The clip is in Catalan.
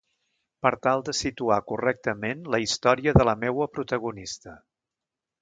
Per tal de situar correctament la història de la meua protagonista.